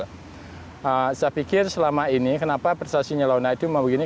saya pikir selama ini kenapa prestasinya launa itu mau begini